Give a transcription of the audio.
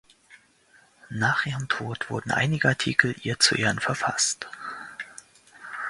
Nach ihrem Tod wurden einige Artikel ihr zu Ehren verfasst.